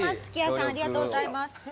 ありがとうございます。